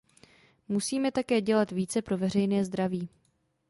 Musíme také dělat více pro veřejné zdraví.